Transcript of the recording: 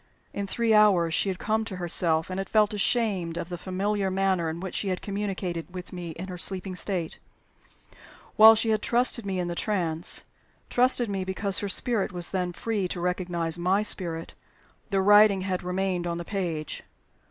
In three hours she had come to herself, and had felt ashamed of the familiar manner in which she had communicated with me in her sleeping state. While she had trusted me in the trance trusted me because her spirit was then free to recognize my spirit the writing had remained on the page.